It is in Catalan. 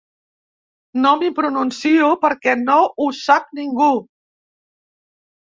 No m’hi pronuncio perquè no ho sap ningú.